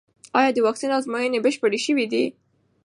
ایا د واکسین ازموینې بشپړې شوې دي؟